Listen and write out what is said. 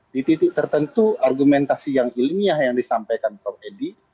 di titik tertentu argumentasi yang ilmiah yang disampaikan prof edi